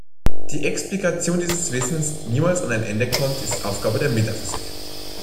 Die Explikation dieses Wissens, die niemals an ein Ende kommt, ist Aufgabe der Metaphysik.